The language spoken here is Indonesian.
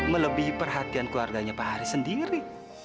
melebihi perhatian keluarganya pak haris sendiri